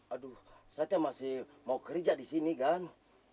aduh saya itu masih mau kerja di sini kang